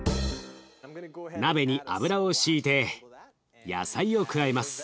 鍋に油をしいて野菜を加えます。